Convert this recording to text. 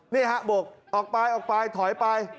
นี่ฮะบกออกไปออกไปถอยไป